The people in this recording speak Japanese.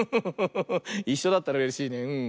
いっしょだったらうれしいね。